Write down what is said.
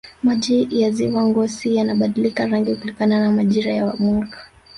maji ya ziwa ngosi yanabadilika rangi kulingana na majira ya mwaka